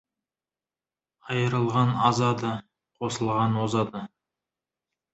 Айрылған азады, қосылған озады.